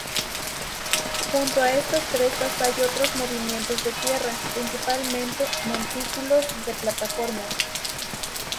Junto a estas crestas hay otros movimientos de tierra, principalmente montículos de plataformas.